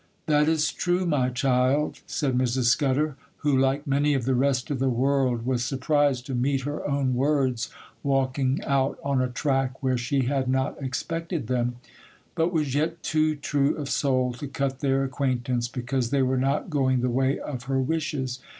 'That is true, my child,' said Mrs. Scudder, who, like many of the rest of the world, was surprised to meet her own words walking out on a track where she had not expected them, but was yet too true of soul to cut their acquaintance because they were not going the way of her wishes.